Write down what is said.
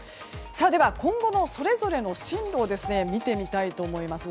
では今後のそれぞれの進路を見てみたいと思います。